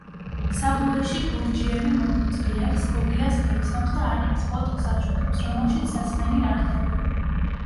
საბუეში გურჯიევი მოხუც გლეხს, გოგიას გაიცნობს და არყის ბოთლს აჩუქებს, რომელშიც სასმელი არ თავდება.